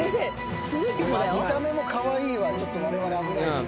「見た目もかわいい」はちょっとわれわれ危ないっすね。